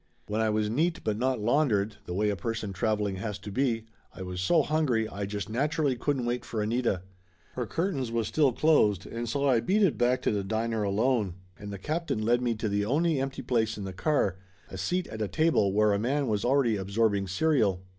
When I was neat but not laundered, the way a per son traveling has to be, I was so hungry I just nat urally couldn't wait for Anita. Her curtains was still closed, and so I beat it back to the diner alone, and the captain led me to the only empty place in the car a seat at a table where a man was already absorbing cereal.